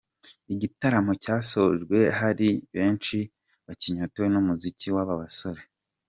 Igitaramo cyasojwe hari benshi bakinyotewe n’umuziki w’aba basore.